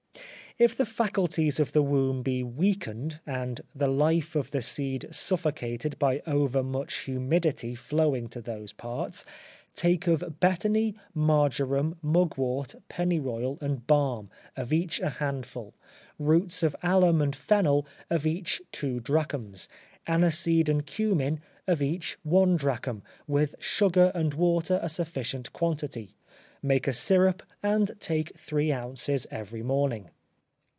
If the faculties of the womb be weakened, and the life of the seed suffocated by over much humidity flowing to those parts: take of betony, marjoram, mugwort, pennyroyal and balm, of each a handful; roots of alum and fennel, of each two drachms; aniseed and cummin, of each one drachm, with sugar and water a sufficient quantity; make a syrup, and take three ounces every morning.